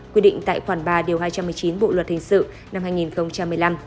quy định tại khoản ba điều hai trăm một mươi chín bộ luật hình sự năm hai nghìn một mươi năm